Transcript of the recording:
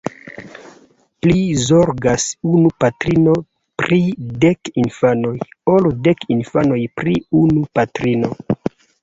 Pli zorgas unu patrino pri dek infanoj, ol dek infanoj pri unu patrino.